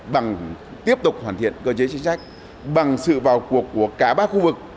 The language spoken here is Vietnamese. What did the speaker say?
bằng tiếp tục hoàn thiện cơ chế chính sách bằng sự vào cuộc của cả ba khu vực